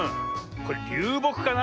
これりゅうぼくかな。